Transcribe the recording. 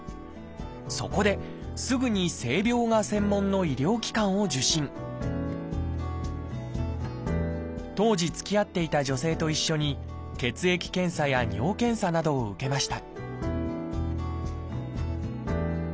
そこですぐに性病が専門の医療機関を受診当時つきあっていた女性と一緒に血液検査や尿検査などを受けました